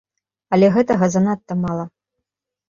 Але гэтага занадта мала.